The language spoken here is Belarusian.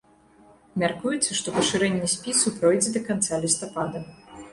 Мяркуецца, што пашырэнне спісу пройдзе да канца лістапада.